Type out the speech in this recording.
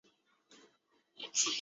接受噶玛巴却英多吉印信。